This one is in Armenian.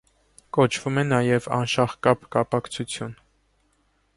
Կոչվում է նաև անշաղկապ կապակցություն։